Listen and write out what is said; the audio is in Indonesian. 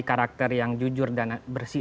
karakter yang jujur dan bersih